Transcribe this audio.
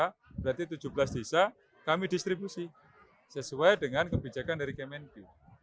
berarti tujuh belas desa kami distribusi sesuai dengan kebijakan dari kmnq